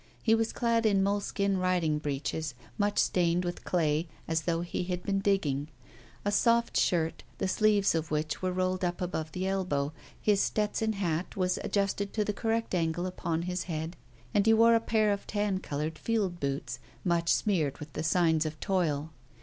He was clad in moleskin riding breeches, much stained with clay, as though he had been digging; a soft shirt, the sleeves of which were rolled up above the elbow; his Stetson hat was adjusted at the correct angle upon his head; and he wore a pair of tan coloured field boots, much smeared with the signs of toil.